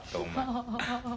ハハハハハ。